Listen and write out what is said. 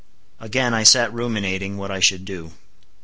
Again I sat ruminating what I should do.